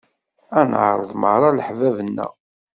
Ad d-neɛreḍ merra leḥbab-nneɣ.